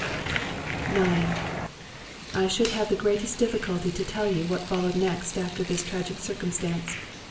IX I SHOULD have the greatest difficulty to tell you what fol lowed next after this tragic circumstance.